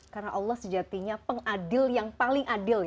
karena allah sejatinya pengadil yang paling adil ya